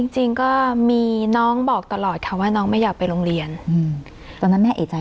จริงก็มีน้องบอกตลอดค่ะว่าน้องไม่อยากไปโรงเรียน